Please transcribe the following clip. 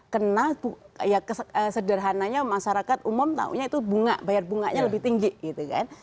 kena ya sederhananya masyarakat umum taunya itu bunga bayar bunganya lebih tinggi gitu kan